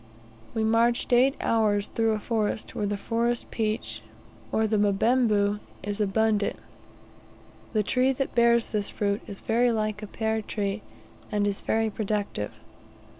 We marched eight hours through a forest, where the forest peach, or the "mbembu," is abundant. The tree that bears this fruit is very like a pear tree, and is very productive.